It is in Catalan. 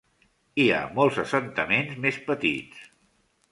Hi ha molts assentaments més petits.